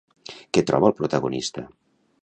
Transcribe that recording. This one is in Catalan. Què troba el protagonista?